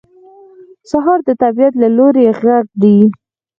سهار د طبیعت له لوري غږ دی.